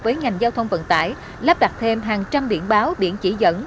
với ngành giao thông vận tải lắp đặt thêm hàng trăm điện báo điện chỉ dẫn